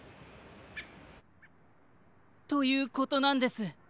ということなんです。